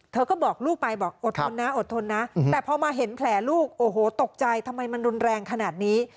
เธอก็บอกลูกไปบอกอดทนนะอดทนนะแต่พอมาเห็นแผลลูกโอ้โหตกใจทำไมมันรุนแรงขนาดนี้